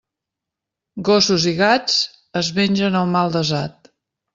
Gossos i gats es mengen el mal desat.